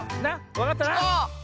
わかったな？